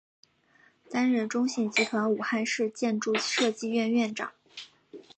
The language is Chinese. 担任中信集团武汉市建筑设计院院长。